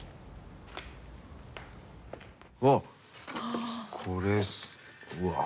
わっこれうわぁ。